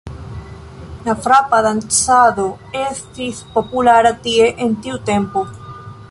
La frapa dancado estis populara tie en tiu tempo.